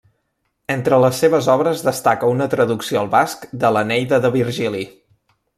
Entre les seves obres destaca una traducció al basc de l'Eneida de Virgili.